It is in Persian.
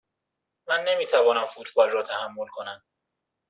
من نمی توانم فوتبال را تحمل کنم.